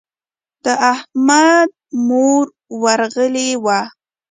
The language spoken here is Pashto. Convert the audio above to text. د احمد مور ورغلې وه.